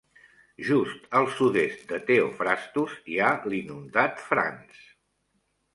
Just al sud-est de Teophrastus hi ha l'inundat Franz.